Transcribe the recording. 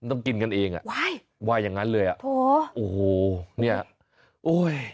ต้องกินกันเองอ่ะว้ายว่าอย่างงั้นเลยอ่ะโหโอ้โหเนี่ยโอ้ย